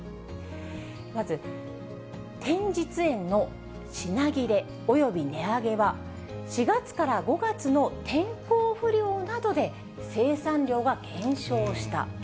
まず、天日塩の品切れおよび値上げは、４月から５月の天候不良などで生産量が減少した。